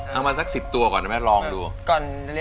เอามาสักสิบตัวก่อนนะแม่ลองดู